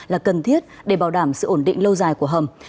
là cần thiết để bảo đảm sự ổn định lâu dài của hầm